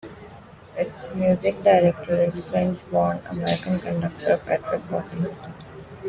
Its music director is French-born American conductor, Patrick Botti.